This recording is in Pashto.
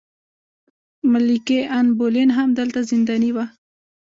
ملکې ان بولین هم دلته زنداني وه.